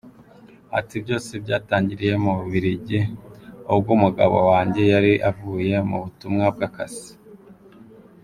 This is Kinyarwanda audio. Ati «Byose byatangiriye mu Bubiligi, ubwo umugabo wanjye yari avuye mu butumwa bw’akazi.